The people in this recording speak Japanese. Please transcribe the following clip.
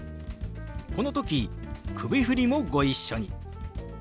この時首振りもご一緒に。